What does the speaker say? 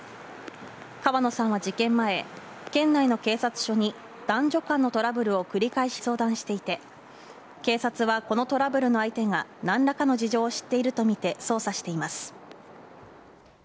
川野さんは事件前、県内の警察署に男女間のトラブルを繰り返し相談していて、警察はこのトラブルの相手がなんらかの事情を知っていると見て捜査しています。